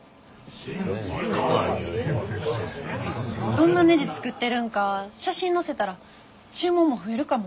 どんなねじ作ってるんか写真載せたら注文も増えるかも。